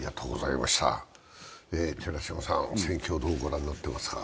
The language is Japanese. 戦況をどう御覧になっていますか？